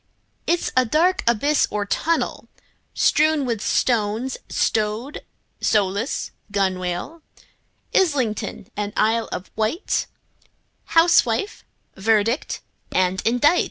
It's a dark abyss or tunnel, Strewn with stones, like rowlock, gunwale, Islington and Isle of Wight, Housewife, verdict and indict!